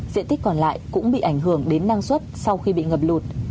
diện tích còn lại cũng bị ảnh hưởng đến năng suất sau khi bị ngập lụt